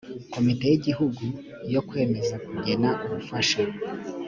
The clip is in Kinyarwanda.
komite y igihugu yo kwemeza kugena ubufasha